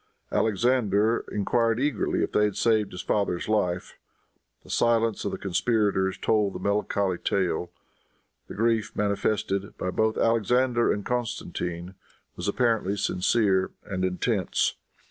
Alexander enquired eagerly if they had saved his father's life. The silence of the conspirators told the melancholy tale. The grief manifested by both Alexander and Constantine was apparently sincere and intense.